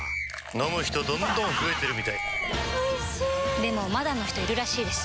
飲む人どんどん増えてるみたいおいしでもまだの人いるらしいですよ